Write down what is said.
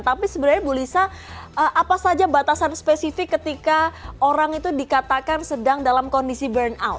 tapi sebenarnya bu lisa apa saja batasan spesifik ketika orang itu dikatakan sedang dalam kondisi burnout